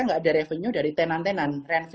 nggak ada revenue dari tenan tenan